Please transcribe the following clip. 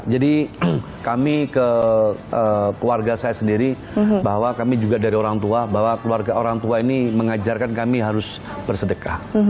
jadi kami ke keluarga saya sendiri bahwa kami juga dari orang tua bahwa keluarga orang tua ini mengajarkan kami harus bersedekah